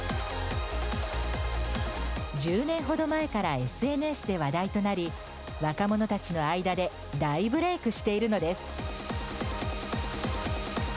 １０年ほど前からＳＮＳで話題となり若者たちの間で大ブレイクしているのです。